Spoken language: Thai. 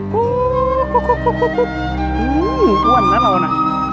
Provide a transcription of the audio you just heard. หูวววแล้วเรานะ